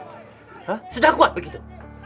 hah sudah kuat begitu